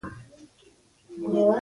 سفیر سره ولیدل.